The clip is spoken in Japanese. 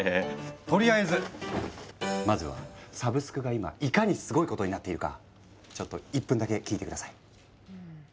とりあえずまずはサブスクが今いかにスゴいことになっているかちょっと１分だけ聞いて下さい。